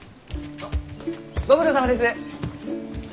ご苦労さまです。